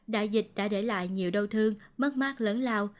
đại dịch đã để lại nhiều đau thương mất mát lớn lao